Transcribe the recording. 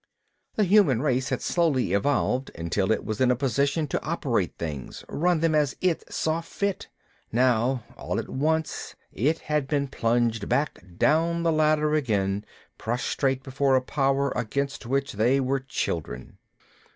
The human race had slowly evolved until it was in a position to operate things, run them as it saw fit. Now all at once it had been plunged back down the ladder again, prostrate before a Power against which they were children.